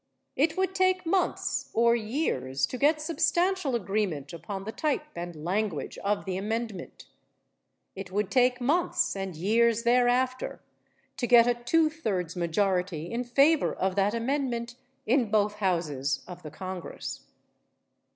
It would take months or years to get substantial agreement upon the type and language of the amendment. It would take months and years thereafter to get a two thirds majority in favor of that amendment in both Houses of the Congress.